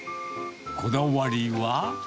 こだわりは。